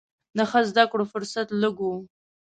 د ښه زده کړو فرصت لږ و.